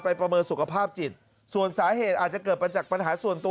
ประเมินสุขภาพจิตส่วนสาเหตุอาจจะเกิดมาจากปัญหาส่วนตัว